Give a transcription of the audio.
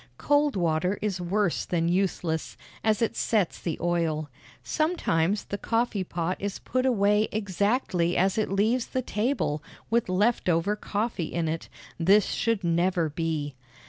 Cold water is worse than useless, as it sets the oil. Sometimes the coffee pot is put away exactly as it leaves the table, with left over coffee in it. This should never be.